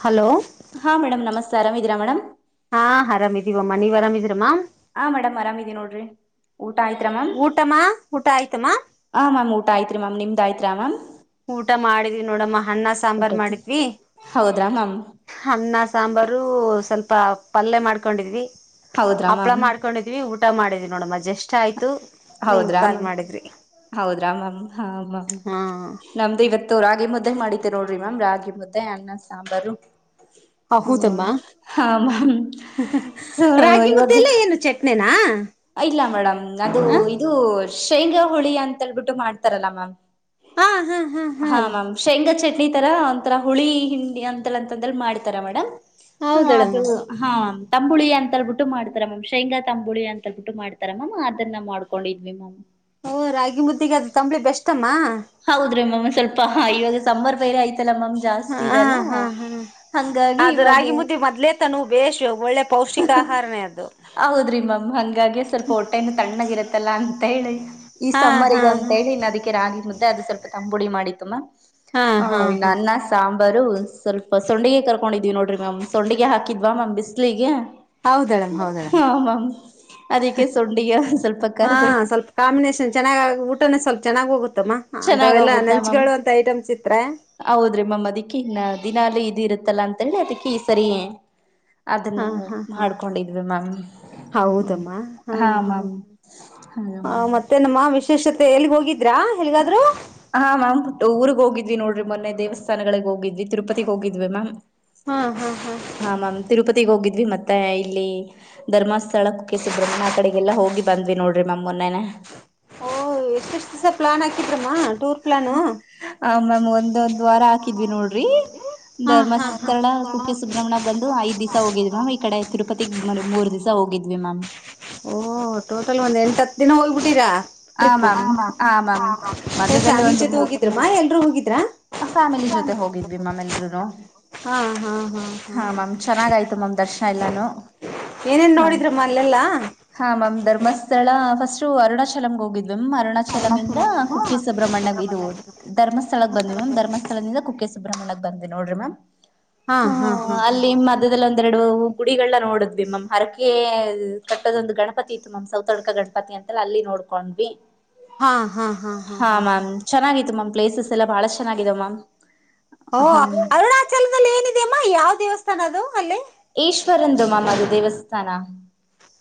Hello ಹಾ madam ನಮಸ್ಕಾರ್ ಆರಾಮ್ ಇದೀರಾ ಮೇಡಮ್ ಹಾ ಆರಾಮ ಇದೀವಮ್ಮ ನೀವ್ ಆರಾಮಿದ್ರಮ್ಮ ಹ ಮೇಡಮ್ ಆರಾಮಿದಿ ನೋಡ್ರಿ ಊಟ ಆಯ್ತ್ರಾ ಹ ಮ್ಯಾಮ್ ಊಟಮ್ಮ ಊಟ ಆಯ್ತಮ್ಮ ಆಯ್ತೀರಿ ಮಾಮ್ ನಿಮ್ದ್ ಆಯಿತ್ರಾ ಮಾಮ್ ಊಟ ಮಾಡಿದ್ವಿ ನೋಡಮ್ಮ ಅನ್ನ ಸಾಂಬಾರ್ ಊಟತಿ ಮಾಡಿದ್ವಿ ಹೌದ್ರಾ ಮ್ಯಾಮ್ ಅನ್ನ ಸಾಂಬಾರು ಸ್ವಲ್ಪ ಪಲ್ಯ ಮಾಡ್ಕೊಂಡಿದ್ವಿ ಹೌದ್ರಾ ಹಪ್ಳ ಮ್ಯಾಮ್ ಮಾಡ್ಕೊಂಡಿದ್ವಿ ಊಟ ಮಾಡಿದ್ವಿ ನೋಡ ಮಜಷ್ಟ ಆಯತು ಹೌದ್ರಾಮ ಹೌದ್ರಾಮಾಮ ಹ ಹಾ ನಮ್ ಇವತ್ತು ರಾಗಿ ಮುದ್ದೆ ಮಾಡಿದ್ದೇ ನೋಡ್ರಿ ಮ್ಯಾಮ್ ರಾಗಿ ಮುದ್ದೆ ಅನ್ನ ಸಾಂಬಾರು ಹ ಹ ಮಾಮ್ ಸೊ ರಾಗಿ ಮುದ್ದೆ ಇವಗು ಎಲ್ಲ ಏನು ಚಟ್ನಿನಾ ಇಲ್ಲ ಮೇಡಮ್ ಹ ಇದು ಶೇಂಗಾಹೊಳಿ ಅಂತೇಳ್ಬಿಟ್ಟು ಮಾಡ್ತಾರಲ್ಲ ಮ್ಯಾಮ್ ಹಾ ಹಾ ಹಾ ಹಾ ಹಂಡಿತರ ಒಂಂತರ ಹುಳಿ ಹಿಂಡಿ ಅಂತ ಅಂತಂದ ಮಾಡ್ತಾರ ಮೇಡಮ್ ಹಾ ಹೌದಳಮ್ಮ ಅದು ಹಾ ತಂಬುಳಿ ಅಂತ ಅಳ್ ಬಿಿಟ್ಟು ಮಾಡತಾರ ಮಾಮ್ ಶೇಂಗಾ ತಂಬಳ ಅಂತಳ್ ಬಿಟ್ಟು ಮಾಡತ ಮಾಮ್ ಅದು ಅನ್ನ ಮಾಡ್ಕೊಂಡಿದ್ವಿ ಮಾಮ್ ಹಓ ರಾಗಿ ಮುದ್ದಿಗೆ ಅದು ತಂಬಳಿ ಬೆಸ್ ಮಾ ಹೌದ್ರೀ ಮಾಮ್ ಸ್ವಲ್ಪ ಇವಾಗ ಸಮ್ಮರ್ ಬೇರೆ ಆಯ್ತು ಮ ಹಾ ಜಾಸ್ತಿ ಹಾ ಇಲ್ಲ ಹಾ ಹಾಗಿ ಅದು ಇವ ರಾಗಿ ಮುದ್ದೆ ಮೊದ್ಲೇ ತನು ಬೇಶ್ ಒಳ್ಳೆ ಪೌಷ್ಟಿಕ ಆಹಾರನೇ ಅದು ಹೌದ್ರಿ ಮ್ಯಾಮ್ ಹಾಗಿ ಸ್ವಲ್ಪ ಹೊಟ್ಟೆನ ತಣ್ಣಗ ಇರತ್ತಲ್ಲ ಅ ಅಂತ ಹೇಳಿ ಈ ಹಾ ಸಮ್ಮರಿ ಹಾ ಗಂತ ಅಂತ ಹಾ ಹೇಳಿ ಇನ್ನು ಅದಕ್ಕೆ ರಾಗಿ ಮುದ್ದೆ ಅದು ಸ್ವಲ್ಪ ತಂಬುಡಿ ಮಾಡಿ ತಮು ಹಾ ಹಾ ಮ್ಯಾಮ್ ಹ ಹಾ ನನ್ನ ಸಾಂಬ ಬರ ಸ್ವಲ್ಪ ಸೊಂಡಿಗೆ ಕರ್ಕೊಂಡಿದ್ವಿ ನೋಡ್ರರಿ ಮ್ಯಾಮ್ ಸೊಂಡೆಗೆ ಹಾಕಿದ್ವಾ ಮ್ಯಾಮ್ ಬಿಸ್ಲಿಗೆ ಹೌದ್ ಹೇಳಮ್ಮ ಹೌದು ಹಾ ಮ್ಯಾಮ್ ಅದಕ್ಕೆ ಸೊಂಡಿಗೆ ಒಂದ್ ಸ್ವಲ್ಪ ಹ ಕರ್ದು ಸ್ವಲ್ಪ ಕಾಂಬಿನೇಷನ್ ಚೆನ್ನಾಗ ಊಟ ಸ್ವಲ್ಪ ಚನ್ನಾಗ ಹೋಗು ತ್ತಮ್ಮ ಚೆನ್ನಾಗ್ ಅಂತಾವೆಲ್ಲಾ ಹೋಗುತ್ತಾ ಮ್ಯಾಮ್ ನಂಚ್ಗಳು ಅಂತ ಐಟಮ್ಸ್ ಇತ್ರ ದಿನಾಲೂ ಇದು ಇರುತ್ತಲ್ಲ ಅಂತ ಹೇಳಿ ಅದಕ್ಕೆ ಈ ಸರಿ ಹಾ ಅದನ್ನು ಹಾ ಹಾ ಮಾಡ್ಕೊಂಡಿದ್ವಿ ಮ್ಯಾಮ್ ಹಾ ಮ್ಯಾಮ್ ಹಾಗ ಹ ಮ್ಯಾಮ್ ಮತ್ತೇನಮ್ಮ ವಿಶೇಷತೆ ಎಲ್ಲಿ ಹೋಗಿದ್ದ ಹಾ ಮಾಮ್ ಊರಿಗ ಹೋಗಿ ದ್ವಿ ನೋಡ್ರಿ ಮೊನ್ನೆ ದೇವಸ್ಥಾನಗಳಿಗೆ ಹೋಗಿದ್ವಿ ತಿರೂಪತಿ ಹೋಗ ಮ್ಯಾಮ ಹಾ ಹಾ ಹಾ ಮ್ಯಾಮ ತಿರುಪತಿ ಹೋಗಿದ್ವಿ ದ್ವಿ ಮತ್ತೆ ಇಲ್ಲಿ ಧರ್ಮಸ್ಥಳ ಕುಕೆ ಸುಬ್ರಹ್ಮಣ್ಯ ಆ ಕಡೆಗೆಲ್ಲಾ ಹೋಗಿ ಬಂದ್ವಿ ನೋಡ್ರಿ ಮ್ಯಾಮ್ ಮೊನ್ನೆನೆ ಇಸ್ಟ್ ದಿನ ಪ್ಲಾನ್ ಹಾಕಿದ್ರ ಹ ಮ್ಯಾಮ್ ಒಂದೊಂದ್ ವಾರ ಹಾಕಿದ್ವಿ ನೋಡ್ರಿ ಹಾ ಹಾ ಹಾ ಧರ್ಮಸ್ಥಳ ಕುಕ್ಕೆ ಸುಬ್ರಹ್ಮಣ್ಯ ಬಂದು ಐದ್ ದಿವಸ ಹೋಗಿದ್ ಮ್ಯಾಮ್ ಈ ಕಡೆ ತಿರುಪತಿಗ್ ಮೆ ಮೂರ್ ದಿವಸ ಹೋಗಿದ್ ನಾಮ್ ಓಹ ಟೋಟಲ್ ಒಂದ್ ಎಂಟ ಹತ್ ದಿನ ಹೋಗ್ಬಿಟ್ಟಿರಾ ಟ್ರಿಪು ಹಾ ಮಾಮ್ ಅ ಮಾಮ್ ಮಧ್ಯದಲ್ಲಿ ಫ್ಯಾಮಿಲಿ ಒಂದು ಜೊತೆ ಮೂ ಹೋಗಿದ್ರಮ್ಮ ಎಲ್ರುೂ ಹೋಗಿದ್ರಾ ಫ್ಯಾಮಿಲಿ ಜೊತೆ ಹೋಗಿದ್ವಿ ಮಮ್ಮೆಲ್ರುನು ಹಾ ಮ್ಯಾಮ್ ಚೆನ್ನಾಗ ಆಯ್ತು ಮ್ಯಾಮ್ ದರ್ಶನ ಎಲ್ಲಾನು ಏನೇನ್ ಹ ನೋಡಿದ್ರಮ್ಮ ಅಲ್ಲೆಲ್ಲಾ ಹ ಮ್ಯಾಮ್ ಧರ್ಮಸ್ಥಳ ಫಸ್ ಅಷ್ಟು ಅರ್ಡ ಚಲಮ್ ಹೋಗಿದ್ ಅರುಣಾಚಲಮಿಂದ ಕುಕ್ಕೆ ಸು ಸುಬ್ರಹ್ಮಣ್ಯ ಇದು ಧರ್ಮಸ್ಥಳ ಬಂದ್ ಮ್ಯಾಮ ಧರ್ಮಸ್ಳದಿಂದ ಕುಕ್ಕೆ ಸುಬ್ರಹ್ಮಣ್ಯಕ್ ಬಂದ್ವಿ ನೋಡ್ರಿ ಮಾಮ್ ಹಾ ಹ್ಮ ಹಾ ಹಾ ಅಲ್ಲಿ ಮದದಲ್ಲಿ ಒಂದ ನಡ ಗುಡಿಗಳಾ ನೋಡಿದ್ವಿ ಮಮ್ ಹರಕೆ ಕಟ್ಟದೊಂದು ಗಣಪತಿ ಇತ್ತು ಮಮ್ ಸೌತಡ್ಕ ಗಣಪತಿ ಅಂತಲ್ಲ ಅಲ್ಲಿ ನೋಡ್ಕೊಂಡ್ವಿ ಹಾ ಹಾ ಹಾ ಹಾ ಹಾ ಹಾ ಮ್ಯಾಮ್ ಚೆನ್ನಾಗಿತ್ತು ಮ್ಯಾಮ್ ಪ್ಲೇಸಸ್ ಸಲ ಬಾಳಷ್ ಚೆನ್ನಾಗಿದವ್ ಮಮ್ ಹ ಅರುಣಾಚಲದಲ್ಲಿ ಏನಿದೆ ಅಮ್ಮ ಯಾವ್ ದೇವಸ್ಥ ತನದು ಅಲ್ಲೇ ಈಶ್ವರಂದು ಮಾಮದು ದೇವಸ್ಥಾನ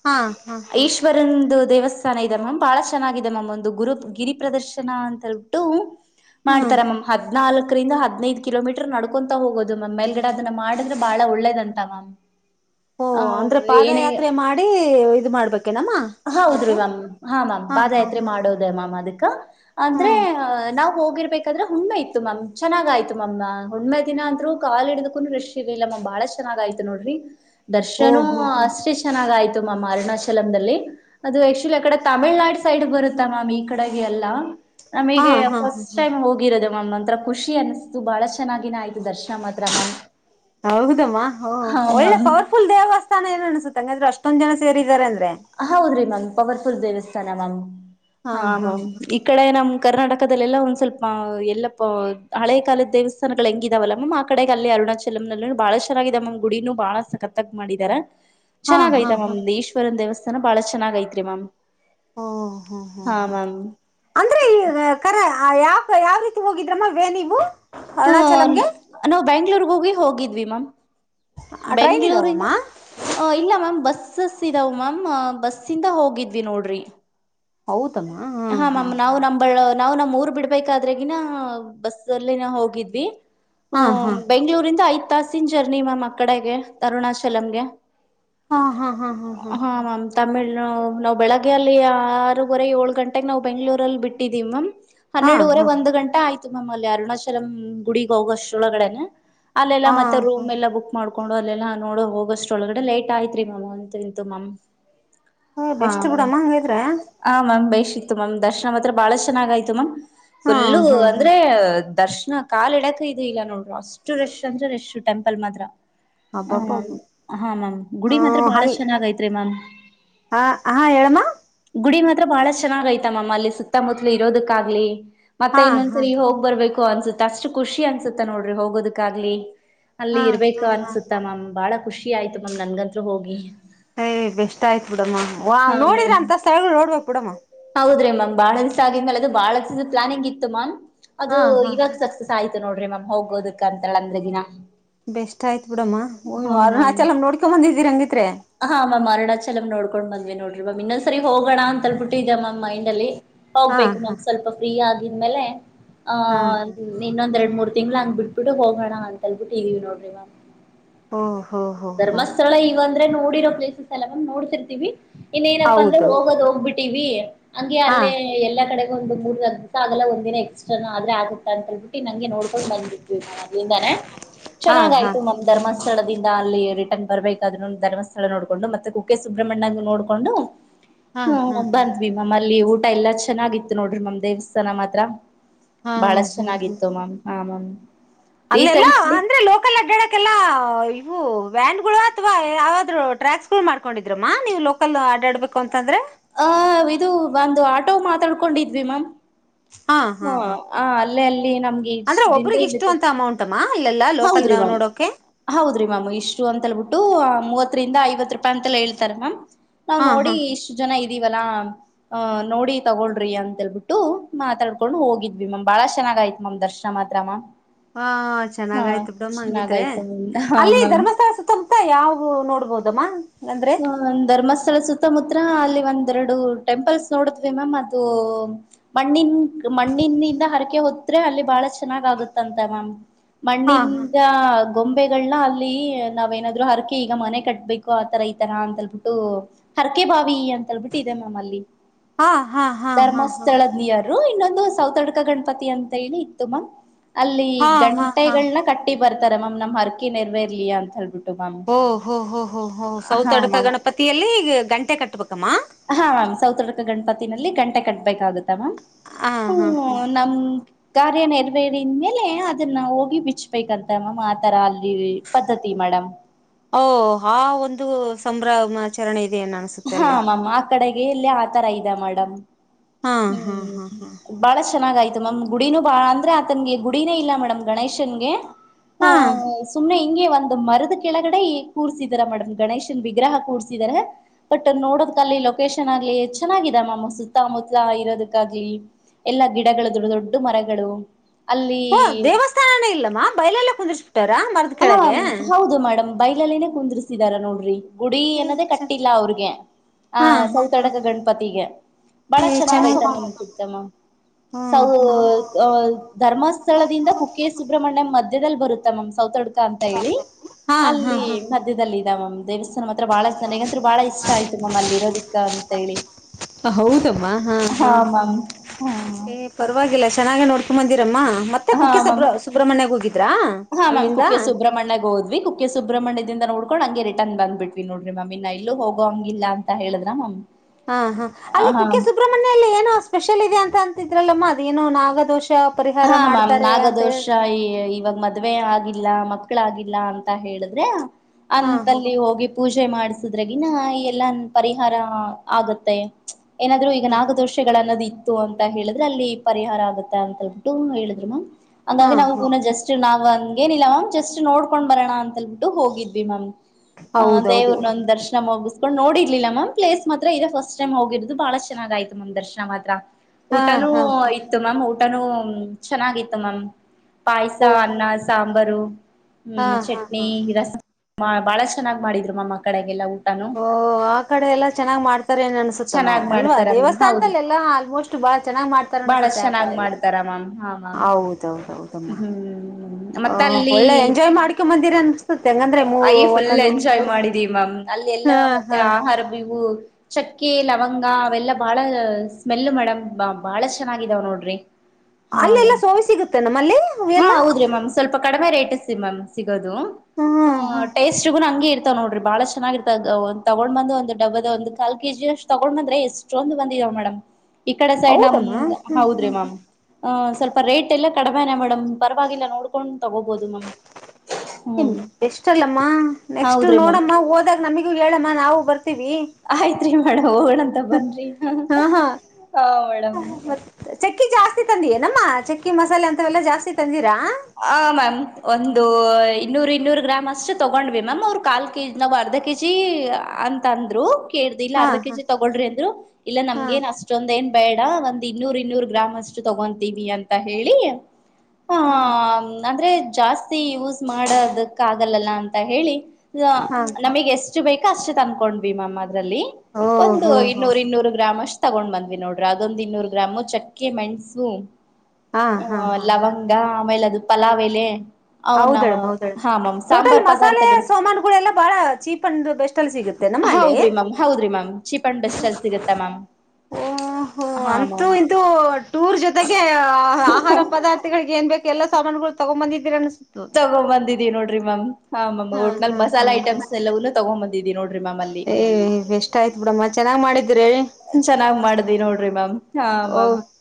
ಹಾ ಹಾ ಹಾ ಈಶ್ವರಂದು ದೇವಸ್ ಸ್ಥಾನ ಇದೆ ಮ್ಯಾಮ್ ಬಹಳ ಚೆನ್ನಾಗಿದೆ ಮ್ಯಾಮ್ ಒಂದು ಗುರು ಗಿರಿ ಪ್ರದರ್ಶನ ಅಂತ ಹೇಳಳ್ಬಿಟ್ಟು ಹಾ ಮಾಡ್ತಾರ ಮ್ಮ್ ಹದ್ ನಾಲ್ಕರಿಂದ ಹದಿನೈದು ಕಿಲೋಮೀಟರ್ ನಡ್ಕೊತಾ ಹೋಗೋದು ಮ್ಯಾಮ್ ಮೇಲ್ಗಡೆ ಅದನ್ನ ಮಾಡಿದ್ರೆ ಬಹಳ ಒಳ್ಳೇದಂತ ದಮಮ್ ಓ ಅಂದ್ರೆ ಪಾದಯಾತ್ರೆ ಮಾಡಿ ಇ್ ಮಾಡ್ಬೇಕು ಹೌದ್ರಿ ಮ್ಯಾಮ್ ಹಾ ಮ್ಯಾಮ್ ಹಾ ಪಾದಯಾತ್ರೆ ಹಾ ಮಾಡೋದೇ ಮ್ಯಾಮ್ ಅದಕ್ಕ ಹಾ ಅಂದ್ರೆ ನಾವ್ ಹೋಗಿರ್ ಆಗ್ಬೇಕಾದ್ರೆ ತುಂಬ ಚೆನ್ನಾಗಾಯ್ತು ತುಂಬ ದಿನ ಅದ್ರು ಕಾಲಿಡ್ರೂ ಕೂತ್ರು ರಶ್ ಇರ್ಲಿಲ್ಲ ಚೆನಾಗಯ್ತು ನೋಡಿ ಓ ದರ್ಶನ ಹೋ ಹೋ ಅಷ್ಟೇ ಚೆನ್ನಾಗ ಆಯ್ತು ಮಾರ್ನಾ [unintelligible] ಚಲ ಅದು ಆಕ್ಚುಲಿ ಆಡೆ ತಮಿಳ್ನಾಡ್ ಸೈಡ್ ಬರುತ್ತಾ ಮ್ಯಾಮ್ ಈ ಕಡೆಗೆ ಎಲ್ಲ ಹಾ ನಮಗೆ ಹಾ ಹಾ ಫಸ್ಟ್ ಹಾ ಟೈಮ್ ಹೋಗಿರೋದ ನ್ಂರ ಖುಷಿ ಅನಿಸತು ಬಾಳ ಚೆನ್ನಾಗಿಿನ ಆಯ್ತು ದರ್ಶನ ಮಾತ್ರ ಮ್ಯಾಮ್ ಹೌದಮ್ಮ ಹ ಹಾ ಒಳ್ಳೆ ಮ್ಯಾಮ್ ಪವರ್ಫುಲ್ ದೇವಸ್ಥಾನ ಏನು ಅನ್ಸುತ್ತಂಗಿದ್ರು ಅಷ್ಟ ಮತ್ತೊಂದು ಜನ ಸೇರಿದಿದ್ದಾರೆ ಅ ಹೌದ್ರಿ ಮ್ಯಾಮ್ ಪವರ್ ುರ್ ದೇವಸ್ಥಾನಮಾಮ್ ಹಾ ಮಾಮ್ ಈ ಕಡೆ ನಮ್ ಕರ್ನಾಟಕದಲ್ಲೆಲ್ಲಾ ಒಂದ್ ಸ್ವಲ್ಪ ಎಲ್ಲಪ್ಪ ಹಳೆ ಕಾಲದ ದೇವಸ್ಥಾನಗಳು ಹೆಂಗಿದಾವಲ್ಲ ಮ್ಯಾಮ್ ಆ ಕಡೆಗೆ ಅಲ್ಲಿ ಅರುಣಾಚಲಂ ನಲ್ಲಿ ಬಾಳ ಚೆನ್ನಾಗಾಗಿದೆ ಮಾಮ್ ಗುಡಿನೂ ಬಾಳ ಸಖತ್ತಾಗ ಮಾಡಿದಾರ ಹಾ ಚೆನ್ನಾಗ ಹಾ ಆ್ತ ಹಾ ಮಮ್ದ್ ಈ್ವರನ್ ದೇವಸ್ಥ ಬಾಳ ಚೆನ್ನಾಗ ಐತ್ರಿ ಮ್ಯಾಮ್ ಓ ಹ್ಮ್ ಹ್ಮ್ ಹಾ ಹ್ಮ್ ಮ್ಯಾಮ್ ಅಂದ್ರೆ ಈಗ ಕರ ಆ ಯಾವ ಯಾವ ರೀತಿ ಹೋಗಿದ್ರಮ್ಮ ವೇ ನೀವು ಹ್ಮ ಅರುಣಾಚಲಂಗೆ ನಾವು ಬೆ್ಯಾಂಗ್ಳೂರು ಹೋಗಿ ಹೋಗಿದ್ವಿ ಮಾಮ್ ಟ್ರೈನ್ ಇದಾವಮ್ಮ ಬೆಂಗಳೂರಿಂದ ಇಲ್ಲ ಮ್ಯಾಮ್ ಬಸ್ ಬಸ್ಸಸ್ ಇದಾವ ಮ್ಯಾಮ್ ಬಸ್ಸಿಂದ ಹೋಗಿದ್ವಿ ನೋಡ್ರಿ ಹೌದಮ್ಮ ಹಾ ಹಾ. ನಾವ್ ನಮ್ಮ್ ಊರ್ ಬಿಡ್ಬೇಕಾದ್ರಗಿನ ಬಸ್ಲ್ಲಿ ನ ಹೋಗಿದ್ವಿ ಹ್ಮ ಹಾ ಬೆಂಗ್ಗಳೂರಿಂದ ಐತ್ ತಾಸಿನ ಜರ್ನಿ ಮ್ಯಾಮ್ ಆ ಕಡೆಗೆ ಅರುಣಾಚಲಂಗೆ ಹಾ ಹಾ ಹಾ ಹಾ ಹಾ ತಮಿಳ್ ನಾವು ಬೆಳಗ್ಗೆಯಲ್ಲಿ ಯಾರು ಒರೆ ಏಳ್ ಗಂಟೆಗೆ ನಾವು ಬೆಂಗಳೂರಲ್ಲಿ ಬಿಟ್ಟಿದ್ದೀವಿ ಮ್ಯಾಮ್ ಹಾ ಹಾ ಹಾ ಹಾ ಹನ್ನೆಡುವರೆ ಹಾ ಒಂದು ಗಂಟೆ ಆಯ್ತು ಮಮ್ಮಲ್ಲಿ ಅರುಣಾಚಲಂ ಗುಡಿಗ್ ಹೋಗ ಅಷ್ಟ್ರೊಳಗಡೆನೆ ಅಲ್ಲೆಲ್ಲ ಮತ್ತೆ ಹಾ ರೂಮ್ ಎಲ್ಲ ಬುಕ್ ಮಾಡ ಹಕೊಂಡು ಅಲ್ಲೆಲ್ಲಾ ನೋಡ ಹೋಗೋಷ್ಟ್ರ ಒಳಗಡೆ ಲೇಟ್ ಆಯ್ತ್ರಿ ಮಮ್ಮ್ ಅಂತ ಇಂತು ಮಮ್ಮ್ ಹ ಬೆಸ್ಟ್ ಬಿಡಮ್ಮಂಗ ಇದ್ರೆ ಮ್ಯ್ ಬೇ್ ಸಿಕ್ತ್ತು ಮಾಮ್ ದರ್ಶನ ಹತ್ರಾಳ ಚೆಾಗ ಆಯತು ಮಾಮ್ ಹಾ ಫುಲ್ಲು ಹಾ ಹಾ ಅಂದ್ರೆ ದರ್ಶನ ಕಾ ಎಡಕ ಇದೆ ಇಲ್ಲ ನೋಡ್ ಅಷ್ಟು ರಶ್ ಅ್ರೆ ರೆಶ್ ಟೆಂಪಲ್ ಕಲ್ಮಾದ್ರ ಅಬ್ಬಬ್ಬ ಹ ಹಾ ಮ್ಯಾಮ್ ಹ್ಮ ಗುಡಿ ಮಾತ್ರ ಬಾಳ ಅಲ್ ಚೆನ್ನಾಗಐತ್ರಿ ಮ್ಯಾಮ್ ಹ ಹಾ ಹೇಳಮ್ಮ ಗುಡಿ ಮಾತ್ರ ಬಹಳ ಚೆನ್ನಾಗ್ ಐತ ಮಮ್ಮ ಅಲ್ಲಿ ಸುತ್ತಮುತ್ತಲು ಇರೋದಕ್ಕಾಗಗ್ಲಿ ಮತ್ತೆ ಹಾ ಹಾ ಇನ್ನೊಂದ್ಸರಿ ಹೋಗ್ ಬರ್ಬೇಕು ೋ ಅನ್ಸುತ್ತ ಅಷ್ಟು ಖುಷಿ ಅನ್ಸುತ್ತ ನೋಡ್ರಿ ಹೋಗೋದಕ್ಕಾಗಗ್ಲಿ ಅಲ್ಲಿ ಹಾ ಇರ್ಬೇಕು ಹಾ ಹಾ ಅನ್ಸುತ್ತಮ್ಮ ಬಾಳ ಖುಷಿ ಆಯ್ತು ಮಮ್ ನನ್ಗಂತ್ರೂ ಹೋಗಿ ಯ್ ಬೆಸ್ಟ್ ಆಯ್ತು ಬಿಡಮ್ಮ ಹಾ ನೋಡಿದ್ರ ಮ್ಯಾಮ್ ಅಂತ ರೋಡ್ವಾ ಪಡಮ ಹೌದ್ರಿ ಮ್ಯಾಮ್ ಬಾಳ ದಸ ಆ ಆದಿದ ಮೇಲೆ ಅದು ಬಾಳಸ ಪ್ಲಾನಿಂಗ್ ಇತ್ತು ಮಾಮ್ ಹಾ ಅದು ಹಾ ಇವಾಗ ಹಾ ಸಕ್ಸಸ್ ಆಯ್ತು ನೋಡ್ರ ್ರ ಮ ಹೋಗೋದಕ್ ಅಂತ ಹೇಳ ಅಂದ್ರೆ ದಿನ ಬೆಸ್ಟ್ ಆಯ್ತ್ ಬಿಡಮ್ಮ ಹ ಹಾ ಮ್ಯಾಮ್ ಅರುಣಾಚಲ್ಂಗ ನೋಡ್ಕೊ ಬಂದಿದೀರಿ ಹಂಗತ್ೆ ಮದ್ವಿ ನೋಡರಿ ಮಾಮ್ ಇನ್ ಒಂದು ಸರಿ ಹೋಗೋಣ ಅಳ್ಬಿಟ್ಟಿದ ಮಮ್ಮ್ ಮೈಂಡ್ ಅಲ್ಲಿ ಹಾ ಹೋಗ್ಬೇಕು ಹಾ ಮಾಮ್ ಸ್ವಲ್ಪ ಫ್ರೀಯ ಆದ ಇಮೇಲೆ ಹ ಹಾ ಹಾ ಇನ್ನೊಂದ್ ಎರಡ್ ಮೂರು ಮೂ ತಿಂಗ್ಳ ಹಂಗ್ ಬಿಟ್ಬಿಟ್ಟು ಹೋಗೋಣ ಅಬಿಟ್ಟಿವವಿ ನೋಡ್ರಿ ಮ್ಯಾಮ್ ಹ ಓ ಹೋ ಹ ಹ ಧರ್ಮಸ್ಥಳ ಇವಂದ್ರೆ ನೋಡಿರೋ ಪ್ಲೇಸ್ ಎಲ್ಲ ನೋಡುತ್ತಿರುತ್ತಿವಿ ಇನ್ನೇ ಏನಪ್ಪ ಅ ಹೌದೌದು ಹೋಗದ ಹೋಗ್ಬಟ್ಟು ಟೀವಿ ಹಂಗೆ ಹಾ ಅಲ್ಲೇ ಎಲ್ಲಾ ಕಡೆ ಒಂದು ಮೂರ್ ಆಗಲ್ಲ ಒಂದ ದಿನ ಎಕ್ಸ್ಟ್ರಾನ ಆದ್ರೆ ಆಗುತ್ತಾ ಅಂತಲ್ ನಂಗೆ ನೋಡ್ಕೊಂಡ್ ಬಂದಿತ್ತು ನ ಇಂದಾನೆ ಹಾ ಹಾ ಚೆನ್ನಾಗಾಯ್ತು ಮತ್ತ ನಮ್ ಧರ್ಮಸ್ಥಳದ ಅಲ್ಲಿ ರಿಟರ್ನ್ ಬರ್ಬೇಕ ಅ ಧರ್ಮಸ್ಥಳ ನೋಡ್ಕೊಂಡು ಮತ್ತೆ ಕುಕ್ಕೆ ಸುಬ್ರಹ್ಮಣ್ಯ ನೋಡ್ಕೊಂಡು ಹಾ ಹಾ ಹ್ಮ ಹಾ ಬಂದ್ಮ ಮತ್ತೆ ಅಲ್ಲಿ ಊಟ ಎಲ್ಲಾ ಚೆನ್ನಾಗಿತ್ತು ನೋಡ್ರಿ ಮಮ್ ದೇವಸ್ಥಾನ ಮಾತ್ರ ಹಾ ಬಹಳಷ್ಟ ಚೆನ್ನಾಗಿತ್ತು ಮ್ಯಾಮ್ ಹ ಮ್ಯಾಮ್.. [inaudible] ಅಲ್ಲೆಲ್ಲ ರೀಸೆಂಟ್ಲಿ ಅಂದ್ರೆ ಲೋಕಲ್ ಅಡ್ಡಾಡಕ್ಕೆಲ್ಲಾ ಇವು ವ್ಯಾನ್ ಗಳು ಅಥವಾ ಯಾವಾದ್ರು ಟ್ರ್ಯಾಕ್ಸ್ ಗಳು ಮಾಡ್ಕೊಂಡಿದ್ರಮ್ಮ ನೀವು ಲೋಕಲ್ ಆಡಾಡ್ಬೇಕು ಅಂತಂದ್ರೆ... [unintelligible] [inaudible] ಹಾ ಹಾ ಹಾ.. [inaudible] ಲೀ.. [inaudible] ಅಂದ್ರೆ ಒಬ್ರಿಗೆ ಇಷ್ಟೋ ಅಂತ ಅಮೌಂಟ್ ಅಮ್ಮ.. [unintelligible] ಹೌದ್ರಿ ಮ್ಯಾಮ್ ಹೌದ್ರಿ ಮ್ಯಾಮ್ ಇಷ್ಟು ಅಂತ ಹೇಳಳ್ಬಿಟ್ಟು ಮೂವ.. [unintelligible] ಹತ್ತರಿಂದ ಐವ ರೂಪಾಯಿ ಅ ಎ ಹೇಳ್ತಾರೆ ಮ್ಯಾಮ್.. [unintelligible] ನಾವ್ ಹಾ ನೋಡಿ ಹಾ ಇಷ್ಟು ಜನ ಇದ.. [inaudible] ಇವಲ್ಲಾ ಅಹ ನೋಡಿ ತಗೊಳ್ರಿ ಅಂತೇಳ್ಬಿಟ್ಟು ಮಾತಾಡ್ಕೊಂಡು ಹೋಗಿದ್ವಿ ಮಮ್ ಬಾಳ ಚೆನ್ನಾಗ ಆಯತ್ ಮಮ್ ದರ್ಶನ ಮಾತ್ರಮ್ಮ.. [unintelligible] ಹಾ.. [inaudible] ಚೆನ್ನಾಗಯ್ತು ಬಿಡಮ್ಮ ಹಂಗಿದ್ರೆ ಚೆನ್ನಾಗಾಯ್ತು ಮ್ಯಾಮ್ ಹಾ ಅಲ್ಲಿ ಮ್ಯಾಮ್ ಧರ್ಮಸ್ಥಳ ಸುತ್ತಮುತ್ತ ಯಾವು ನೋಡ್ಬೋದಮ್ಮ.. [unintelligible] ಹ ಧರ್ಮಸ್ಥಳ ಸುತ್ತಮತ್ರ ಅಲ್ಲಿ.. [inaudible] ಒಂದೆರಡು ಟೆಂಪಲ್ಸ್ ನೋಡುತ್ತವಿ ಮ್ಯಾಮ್ ಅದು ಮಣ್ಣಿನ್ ಮಣ್ಣಿಂದಿಂದ ಹರ.. [inaudible] ಹೊತ್ರೇ ಅಲ್ಲಿ ಬಾಳ ಚೆನ್ನಾಗ ಆಗುತ್ತಂತ ಮ್ಯಾಮ್.. [unintelligible] ಹಾ ಮಣ್ಣಿಂದ ಗೊಂಬೆಗಳನ್ನ ಅಲ್ಲಿ ನಾವೇನಾದ್ರು ಹರಕಿ ಈಗ ಮನೆ ಕಟ್ಬೇಕು ಆತರ ಇ.. [unintelligible] ತರಾ ಅಂತ ಅಂದುಬಿಟ್ಟು ಹರ್ಕೆ ಬಾವಿ.. [inaudible] ಅಂತಳ್ಬಿಟ್ಟದೆ ಮ್ಯಾಮ್ ಅಲ್ಲಿ ಹಾ ಹಾ ಹಾ ಹಾ ಧರ್ಮಸ್ಥಳದ್ ನೀ... [inaudible] ಇನ್ನೊಂದು ಸೌತಡ್ಕ ಗಣಪತಿ ಅಂತ ಹೇಳಿ ಇತ್ತುಮ್ಮ ಅಲ್ಲಿ ಹಾ ಹಾ ಹಾ ಹಾ ಗಂಟೆಗಳನ್ನ ಕಟ್ಟಿ ಬರ್.. [inaudible] ತೆರೆ ಮ್ಯಾಮ್ ಹರಕೆ ನೆವೇರ್ಲಿ ಅಂತೇಳ್ಬಿಟ್ಟು.. [inaudible] ಹೂ ಹೂ ಹೂ ಹೂ ಹೂ ಸೌತ್ಡಕ ಗಣಪತಿಯಲ್ಲಿ ಇ ಗಂಟೆ ಕಟ್ಬೇಕಮ್ಮ ಇನಲಿ ಗಂಟೆ ಕಟ್ಟಬೇಕಾಗುತ್ತೆ ಹ ಹ ಹಾ ಹಾ ನಮ... [inaudible] ಕಾರ್ಯ ನೆರವೇರಿದ್ಮೇಲೆ ಅದನ್ನ ಹೋಗಿ ಬಿಚ್ಬೇಕಂತ ಮಮ್ ಆತರ ಅಲ್ಲಿ ಪದ್ಧತಿ ಮೇಡಮ್.. [unintelligible] ಓ ಆ ಒಂದು... [inaudible] ಪ್ರಮಾಚರಣೆ ಇದೆ ಏನ್ ಅನ್ಸುತ್ತೆ ಹಾ ಅಲ್ಲಿ ಮ್ಯಾಮ್ ಆ ತರ ಇದಾ ಮೇಡಮ್.. ಹಾ [inaudible] ಹಾ ಹಾ ಹಾ ಹ್ಮ್ ಬಾಳ ಚೆನ್ನಾಗಯ್ತು.. [inaudible] ಮ್ ಗುಡಿನೂ ಬಾಳ ಅಂದ್ರೆ ಆತನ್ಗೆ ಗುಡಿನೇ ಇಲ್ಲ ಮೇಡಮ್ ಗಣೇಶನ್ಗೆ ಹೊ ಹಾ ಸುಮ್ಮನೆ. ಹಂಗೆ ಒಂದು ಮರದ ಕೆಳಗಡೆ ಕೂರ್ಸಿದರ ಮೇಡಮ್ ಗಣೇಶನ ವಿಗ್ರಹ ಕೂರ್ಸ ಇದರೆ ಬಟ್ ನೋಡೋದಕಲ್ಲಿ ಲೊಕೇಶನ್ ಆಗ್ಲಿ ಚೆನ್ನಾಗಿದಮ್ಮ ಸುತ್ತಮುತ್ತ ಇರೋದಕ್ಕಾಗ್ಲಿ ಎಲ್ಲಾ ಗಿಡಗಳು ದೊಡ್ ದೊಡ್ಡ ಮರಗಳು. ಅಲ್ಲಿ ಓ ದೇವಸ್ಥಾನೇ ಬಿಟ್ಟಾರಾ ಮರ್ದ ಕೆಳಗೆ ಬೈಲಲ್ಲಿನೇ ಕುಂದರ್ಸಿದಾರ ನೋಡ್ರಿ ಗುಡಿ ಅನ್ನದೇ ಕಟ್ಟಿಲ್ಲ ಹಾ ಅವ್ರಗೆ ಆ ಹಾ ಹಾ ಸೌತಡಕ ಹಾ ಗಣಪತಿಗೆ ಬಳ ಏ ಚೆನ್ನಾಗ್ ಐತ ಚೆನ್ನಾಗಿ ಮಾಮ್ ಕತ್ತಮ್ಮ ಹ್ಮ್ ಸಾವ್ ಹ್ಮ್ ಧರ್ಮಸ್ಥಳದಿಂದ ಹುಕ ಸುಬ್ರಹ್ಮಣ್ಯಂ ಮದ್. ಇದಲ್ ಬಾರುತ್ತಮ್. ಸೌತಡ್. ಅಂತ ಹೇಳಿ ಹಾ ಹಾ ಅಲ್ಲಿ ಹಾ ಮಧ್ಯದಲ್ಲಿ [inaudible] ತ್ರಳ ಬಾಳ ಇಷ್ಟ ಆಯ್ತು ಮಾಮ್ ಅಲ್ಲಿ ಇರೋದಕ್ಕ ಅಂತ ಹೇಳಿ ಹೌದಮ್ಮ ಹಾ ಹ ಹಾ ಹಾ ಮಾಮ್ ಹ ಮಂದಿರಮ್ಮ. ಹಾ ಮ್ಯಾಮ್ ಹಾ ಮ್ಯಾಮ್ ಅಲ್ಲಿಂದ ಕುಕ್ಕೆ ಸುಬ್ರಹ್ಮಣ್ಯಗೆ ಹೋದ್ವಿ ಕುಕ್ಕೆ ಸುಬ್ರಹ್ಮಣ್ಯದಿಂದ ನೋಡ್. ಕಕೊಂಡ್ಂಗೆ ರಿಟರ್ನ್ ಬಂದ್ ಬಿಟ್ವಿ ನೋಡ್ರಿ ಮಾಮ್ ಇಲ್ಲೂ ಹೋಗೋ ಹಂಗಿಲ್ಲ ಅಂತ ಹೇಳಿದ್ರ ಮಾಮ್ ಹಾ ಹಾ ಅಲ್ಲಿ ಕುಕ್ಕೆ ಸುಬ್ರಹ್ಮಣ್ಯಲ್ಲಿ ಏನೋ ಸ್ಪೆಷಲ್ ಇದೆ ಅಂತ ಅಂತ ತ್ರಲ್ಲಮ್ಮ ಅದುೇನೋ ನಾಗ ದೋಷ್. ಪರಿಹಾರ ಹಾ ಮ್ಯಾಮ್ ಮಾಡ್ತಾರೆ ನಾಗ ದೋಷ ಈ ಇವಾಗ ಮದ್ವೆ. ಅವೇ ಆಗಿಲ್ಲ ಮಕ್ಕಳಾಗಿಲ್ಲ ಅಂತ ಹೇಳಿದ್ರೆ ಹಾ ಹಾ ಅಂತಲ್ಲಿ ಹೋಗಿ ಪೂಜೆ ಮಾಡಸಿದ್ರಗಿನ ಎಲ್ಲಾ ಪರಿಹಾರ ಆಗತ್ತೆ ಏನಾರದ್ರು ಈಗ್ ನಾಗ ದೋಷಗಲ್ ಅನ್ನದಿದ್ರೆ ಇ. ಇತ್ತು ಅಂತ ಹೇಳಿದ್ರೆ ಅಲ್ಲಿ ಪರಿಹಾರ ಆಗುತ್ತ ಅಂತ ನಿಮಗೂ ಹೇಳಿದರು ಮ್ಯಾಮ್ ಹಾ ಅಂದೆ ಹಾ ನಮಣ ಜಸ್ಟ್ ನಾವ ಹಂಗೇನಿಲ್ಲ ಮ್ಯಾಮ್ ಜಸ್ಟ್ ನೋಡ್ಕೊಂಡ್ ಬರಣ ಅಲ್ಬಿಟ್ಟು ಹೋಗಿದ್ವಿ ಮ್ಯಾಮ್. ಹ ಹೌದೌದು ದೇವ್ರನ್ನೊಂದ್ ದರ್ಶನ ಮುಗಗುಸ್. ೊಂಡ ನೋಡಿರ್ಲಿಲ್ಲ ಮ್ ಪ್ಲೇಸ್ ಮಾತ್ರ ಇದೆ ಸ್ಟ್ಟೈಮ್ ಹೋಗಿರೋದು ಬಾ ಚೆಾಗ ಆಯ್ತ ಮಮ್ ದರ್ಶ ಮಾತ್ರ. ಹಾ ಊಟನೂ ಹಾ ಇತ್ತು ಮ್ಯಾಮ್ ಊ ತನು ಚೆನ್ನಾಗಿತ್ತು ಮ್ಯಾಮ್ ಪಾಯ್ಸ ಓ ಅನ್ನಸ್. ಅಂಬರು ಹಾ ಹ್ಮ್ ಹಾ ಚಟ್ನಿ ಹಾ ರಸ ಬಾಳ ಚೆನ್ನಾಗಿ್ ಮಾಡಿದ್ರು ಮಮ್ಮ ಆ ಕಡೆಗೆಲ್ಲ ಊ ಓ ಆ ಕಡೆ ಎಲ್ಲ ಚೆನ್ನಾಗ್ ಮಾಡ್ತಾರೆ ಏ ಅನ್ಸುತ್ತಮ್ಮ ಚೆನ್ನಾಗ್ ಅಲ್ವಾ ಮಾಡ್ತಾರ ಮ್ಯಾಮ್ ಹೌದು ದೇವಸ್ಥಾನದಲ್ಲೆಲ್ಲಾ ಆಲ್ಮೋಸ್ಟ್ ಬಾಳ ಚೆನ್ನಾಗ್ ಮಾಡ್ತಾರ ಅನ್ಸುತ್ತೆ ಆ ಕಡೆ ಎಲ್ಲಾ ಹ ಮ್ಯಾಮ್ ಹೌದೌದೌದಮ್ಮ ಹ್ಮ್ ಆ ಮತ್ತೆ ಅಲ್ಲಿ ಒಳ್ಳೆ ಎಂಜಾಯ್ ಮಾಡ್ಕೊ ಬಂದಿರ ಅನ್ಸ್ತತೆ ಹಂಗಂದ್ರೆ ಮೂ ಅಐ ಫುಲ್ ಒಂದೊಂದು ಎಂಜಾಯ್ ಮೂರ್ ಮೂರ್ ಮಾಡಿದೀವಿ ಮ್ಯಾಮ್ ಅಲ್ಲಿ ಹಾ ಎಲ್ಲಾ ಮತ್ತೆ ಹಾ ಹಾ ಆಹಾರ ಬಿೀವು. ಚಕ್ಕೆ ಲವಂಗ ಅವೆಲ್ಲಾ ಬಾಳ ಸ್ಮೆಲ್ಲ ಮೇಡಮ್ ಬಾಳ ಚೆನ್ನಾಗಿದಾವ್ ನೋಡ್ರಿ ಹಾ ಅಲ್ಲೆಲ್ಲ ಸೋವೆ ಸಿಗುತ್ತೆ ನಮ್ಮಲ್ಲಿ ಹೂ ಹಾ ಎಲ್ಲ ಹೌದ್ರಿ ಮ್ಯಾಮ್ ಸ್ವಲ್ಪ ಕಡಿಮೆ ರೇಟ್ಸ್ ಮಾಮ್ ಸಿ ಗದು ಆ ಹ್ಮ್ ಹ್ಮ್ ಟೆಸ್ಟಗುನೂ ಹಂಗೇ ಇರ್. ಇರ್ತವ್ ನೋಡ್ರಿ ಬಾಳ ಚೆನ್ನಾಗಿರ್ತ ಒಂದ ತಗೊಂಡ್ ಬಂದ ಒಂದಂದು ಡಬ್ಬದ ಒಂದು ಕಾಲ್ ಕೆಜಿ ಅಷ್ಟ ತಗೊಂಡ್ ಬಂದ್ರೆ ಎಷ್ಟೊಂದ ಬಂದಿದ ಮೇಡಮ್. ಈ ಕಡೆ ಸೈಡ್ ನಮ ಹೌದಮ್ಮ ಹೌದ್ರಿ ಮ್ಯಾಮ್ ಸ್ವಲ್ಪ ರೇಟ್ ಎಲ್ಲ ಕಡಿಮೇನೆ ಮೇಡಮ್ ಪರವಾಗಿಲ್ಲ ನೋಡ್ಕೊಂಡ್ ತಗೋಬಹುದು ಮ್ಯಾಮ್ ಹ್ಮ್ ಬೆಸ್ಟ್ ಅಲ್ಲಮ್ಮ ನೆಕ್ಸ್ಟ್ ಹೌದ್ರಿ ಮ್ಯಾಮ್ ನೋಡಮ್ಮ ಹೋದಾಗ ನಮಗೂ ಹೇಳಮ್ಮ ನಾವು ಬರ್ತೀವಿ ಆಯ್ತ್ರಿ ಮೇಡಮ್ ಹೋಗಣಂತ ಬನ್ರಿ ಹ ಹಾ ಹಾ ಮೇಡಮ್ ಮತ್ ಚಕ್ಕಿ ಜಾಸ್ತಿ ತಂದಿಯ ನಮ್ಮ ಚಕ್ಕಿ ಮಸಾಲೆ ಅಂತವೆಲ್ಲಾ ಜಾಸ್ತಿ ತಂದಿರಾ. ಆ ಮ್ಯಾಮ್ ಒಂದು ಇನ್ನೂರು ಇನ್ನೂರು ಗ್ರಾಮ್ ಅಷ್ಟು ತಗೊಂಡ್ವಿ ಮ್ಯಾಮ್ ಅವರು ಕಾಲ್ ಕೆಜಿ ನಾವ್ ಅರ್ಧ ಕೆಜಿ ಅಂತ ಅಂದ್ರು ಕೇಳ್ದು ಇಲ್ಲ ಹಾ ಅರ್ಧ ಹಾ ಕೆಜಿ ತೊಗೋಳ್ರಿ ಅಂದ್ರು ಇಲ್ಲಾ ನಮಗೆನ್ ಅಷ್ಟೊಂದ ಏನ್. ಬೇಡ ಒಂದ್ ಇನ್ನೂರ್ ಇನ್ನೂರ್ ಗ್ರಾಮ್ ಅಷ್ಟು ತಗೊಂತೀವಿ ಅಂತ ಹೇಳಿ ಹಾ ಹ್ಮ್ಮ್ ಅಂದ್ರೆ. ಜಾಸ್ತಿ ಯೂಸ್ ಮಾಡೋದಕ್ಕ ಆಗಲ್ಲಲ್ಲ ಅಂತ ಹೇಳಿ. ಹಾ ಹಾ ನಮಗ್ ಎಷ್ಟು ಬೇಕ ಾಸ ತಾನಕೊಂಡವಿೀ ಮಾಮಾ ಓ ಒಂದು ಹೋ ಹೋ ಇನ್ನೂರು ಇನ್ನೂರು ಗ್ರಾಮ ಅಷ್ಟ ತಗೊಂಡ್ ಬಂದ್ವಿ ನೋಡ್ರಿ ಅದೊಂದ್ ಇನ್ನೂರ್ ಗ್ರಾಮು ಚಕ್ಕೆ ಮೆಣ್ಸು ಹಾ ಹಾ ಹ್ಮ ಹಾ ಲವಂಗ ಮ ಅದು ಪಲಾವೇಲೆ ಅವ ನಾವ್ ಹೌದಳಮ್ ಹೌದಳ್ ಹ ಮ್ಯಾಮ್ ಟೋಟಲ್ ಸಾಂಬಾರ್ ಮಸಾಲೆ ಪದಾರ್ಥಗಳು ಸಾಮಾನುಗಳೆಲ್ಲ ಬಹಳ ಚೀಪ್ ಅಂಡ್ ಬೆಸ್ಟ್ ಅಲ್ಲಿ ಸಿಗುತ್ತೆ ನಮ್ಮಲ್ಲಿ ಹೌದ್ರ ಮ್ಯಾಮ್ ಹೌದ್ರಿ ಮ್ಯಾಮ್ ಚಿಪಂಡ್ ಬೆಸ್ಟ್ ಸಿಗತ್ತೆ ಮ್ಯಾಮ್. ಓಹಹೋ ಹಾ ಅಂತೂ ಮ್ಯಾಮ್ ಇಂತೂ ಟೂರ್ ಜೊತೆಗೆ ಆಹಾರ ಪದಾರ್ಥಗಳಿಗೆ ಬೇಕ್ ಎಲ್ಲ ಸಾಮಾನುಗಳು ತಗೊ ಬಂದಿದೀರ ಅನಸ್. ತಗೊ ಬಂದಿದಿವ ನೋಡಿ ಅ್ರರಿಮಂ ಹಾ ಮ್ಯಾಮ್ ಒಟ್ ನಲ್ ಹಾ ಹಾ ಮಸಾಲೆ ಹಾ ಐಟಮ್ಸ್ ಎಲ್ಲವನ್ನು ತಗೊಂಡ್ ಬಂದಿದಿ ನೋಡ್ರಿ ಮ್ಯಾಮ್ ಅಲ್ಲಿ ಏ ಎಷ್ಟ ಆಯ್ತು ಬಿಡಮ್ಮ ಚೆನ್ನಾಗ್ ಮಾಡಿದ್ರಿ ಚೆನ್ನಾಗ್ ಮಾಡ್ದಿ ನೋಡ್ರಿ ಪ್ರಮ್.. [inaudible]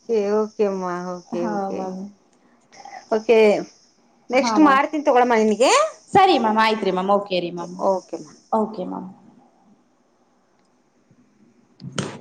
ಕೆ ಕೆಮ್ಮ... [inaudible] ಹಾ ಮ್ಯಾಮ್ ಹಾ ನೆಕ್ಸ್ಟ್ ಮ್ಯಾಮ್ ಮಾರ್ತನಿ ತಗೊಳ.. [inaudible] ಸರಿ ಮ್ಯಾಮ್ ಆಯ್ತ್ ರರಿ ಮ್ಯಾಮ್ ಕೆ ರೀ ಮ್ಯಾಮ್ ಓಕೆಮ್ಮ ಮ್ಯಾಮ.. [unintelligible] [inaudible]